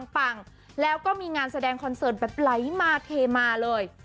ปังแล้วก็มีงานแสดงคอนเสิร์ตแบบไหลมาเทมาเลย